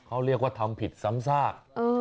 เขาเรียกว่าทำผิดซ้ำซาก